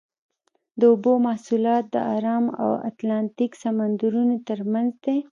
د اوبو مواصلات د ارام او اتلانتیک سمندرونو ترمنځ دي.